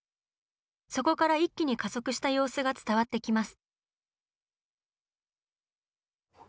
そこから一気に加速した様子が伝わってきます。